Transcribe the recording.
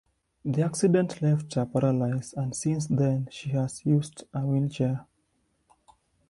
The accident left her paralyzed and since then she has used a wheelchair.